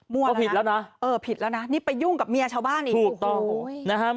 มั่วแล้วนะเออผิดแล้วนะนี่ไปยุ่งกับเมียชาวบ้านอีกโอ้โห